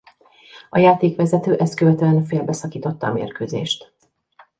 A játékvezető ezt követően félbeszakította a mérkőzést.